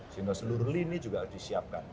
sehingga seluruh lini juga harus disiapkan